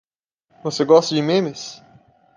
Você gosta de memes?